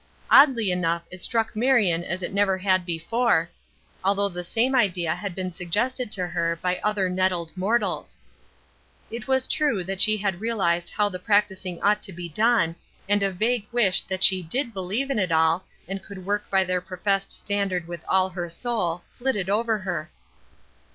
Oddly enough it struck Marion as it never had before, although the same idea had been suggested to her by other nettled mortals. It was true that she had realized how the practicing ought to be done, and a vague wish that she did believe in it all, and could work by their professed standard with all her soul, flitted over her.